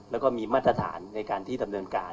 แล้วก็มีมาตรฐานในการที่ดำเนินการ